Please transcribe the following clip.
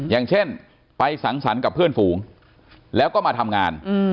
อย่างเช่นไปสังสรรค์กับเพื่อนฝูงแล้วก็มาทำงาน